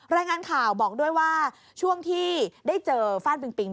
รายงานข่าวบอกด้วยว่าช่วงที่ได้เจอฟ่านปิงปิง